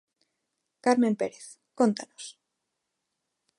Carmen Pérez, cóntanos?